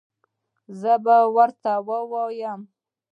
زه به ورته ووایم